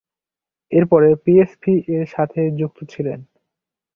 এরপরে P S পি-এর সাথে যুক্ত ছিলেন।